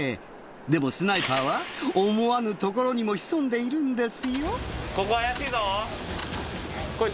でもスナイパーは思わぬ所にも潜んでいるんですよ。